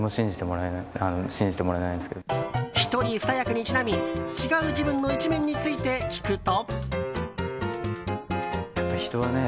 １人２役にちなみ違う自分の一面について聞くと。